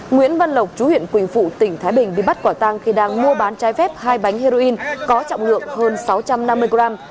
nguyễn văn lộc chú huyện quỳnh phụ tỉnh thái bình bị bắt quả tang khi đang mua bán trái phép hai bánh heroin có trọng lượng hơn sáu trăm năm mươi gram